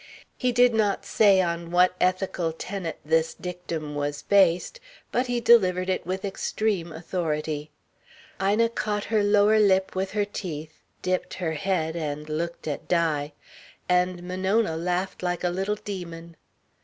He did not say on what ethical tenet this dictum was based, but he delivered it with extreme authority. Ina caught her lower lip with her teeth, dipped her head, and looked at Di. And Monona laughed like a little demon.